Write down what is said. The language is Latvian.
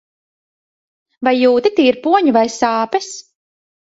Vai jūti tirpoņu vai sāpes?